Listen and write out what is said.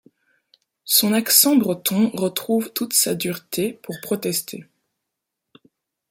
Son accent breton retrouve toute sa dureté pour protester.